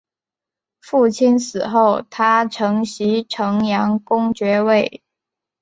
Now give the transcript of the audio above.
父亲死后他承袭城阳公爵位。